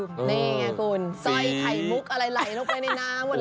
นี่ไงคุณสร้อยไข่มุกอะไรไหลลงไปในน้ำ